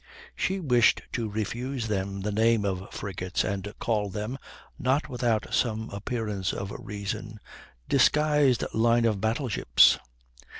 She wished to refuse them the name of frigates, and called them, not without some appearance of reason, disguised line of battle ships.